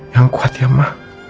yang kuat ya ma